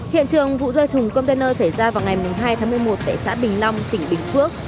hiện trường vụ rơi thùng container xảy ra vào ngày hai tháng một mươi một tại xã bình long tỉnh bình phước